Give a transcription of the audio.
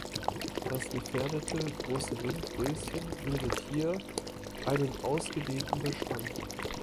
Das gefährdete Große Windröschen bildet hier einen ausgedehnten Bestand.